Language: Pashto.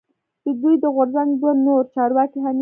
د دوی د غورځنګ دوه نور چارواکی حنیف